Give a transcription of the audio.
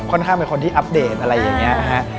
ข้างเป็นคนที่อัปเดตอะไรอย่างนี้ฮะ